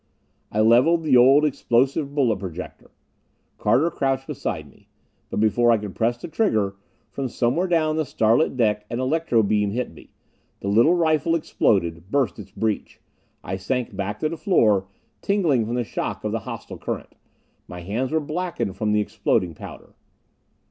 I levelled the old explosive bullet projector; Carter crouched beside me. But before I could press the trigger, from somewhere down the starlit deck an electro beam hit me. The little rifle exploded, burst its breech. I sank back to the floor, tingling from the shock of the hostile current. My hands were blackened from the exploding powder.